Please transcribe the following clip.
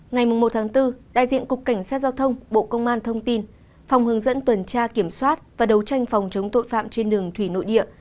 ngày một bốn đại diện cục cảnh sát giao thông bộ công an thông tin phòng hướng dẫn tuần tra kiểm soát và đấu tranh phòng chống tội phạm trên đường thủy nội địa